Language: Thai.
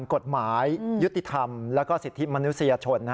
กฎหมายยุติธรรมและสิทธิมนุษยชน